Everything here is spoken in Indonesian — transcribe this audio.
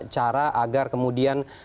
cara agar kemudian